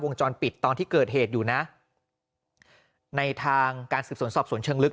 จรปิดตอนที่เกิดเหตุอยู่นะในทางการสืบสวนสอบสวนเชิงลึก